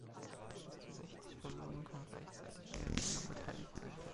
Bis zu sechzig Personen können gleichzeitig an der Sendung beteiligt sein.